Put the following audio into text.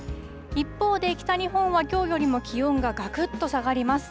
一方で、北日本はきょうよりも気温ががくっと下がります。